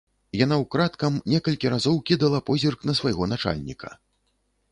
Яна ўкрадкам некалькі разоў кідала позірк на свайго начальніка.